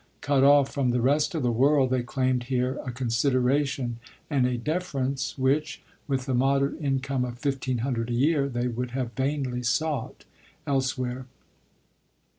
Cut off from the rest of the world, they claimed here a consideration and a defe rence, which, with the moderate income of fif teen hundred a year, they would have vainly sought elsewhere.